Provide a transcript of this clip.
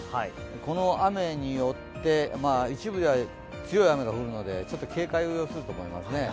この雨によって、一部では強い雨が降るのでちょっと警戒を要すると思いますね。